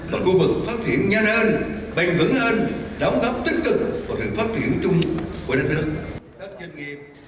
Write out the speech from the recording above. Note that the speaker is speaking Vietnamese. và khu vực phát triển nhanh hơn bền vững hơn đóng góp tích cực và được phát triển chung của đất nước